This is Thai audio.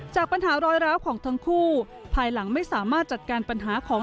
จากปัญหารอยร้าวของทั้งคู่ภายหลังไม่สามารถจัดการปัญหาของ